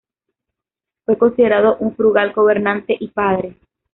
Fue considerado un frugal gobernante y padre.